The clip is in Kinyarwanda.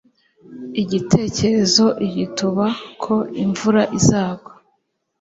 igitekerezo igituba ko imvura izagwa